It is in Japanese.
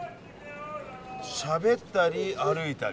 しゃべったり歩いたり？